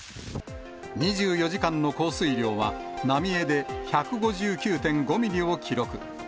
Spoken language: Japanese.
２４時間の降水量は、浪江で１５９．５ミリを記録。